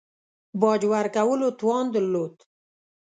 باج ورکولو توان درلود.